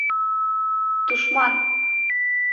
Тушман!